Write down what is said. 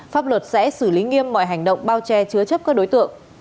pháp luật sẽ xử lý nghiêm mọi hành động bao che chứa chấp các đối tượng